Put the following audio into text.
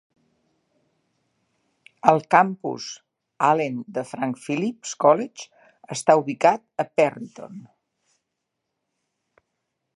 El Campus Allen de Frank Phillips College està ubicat a Perryton.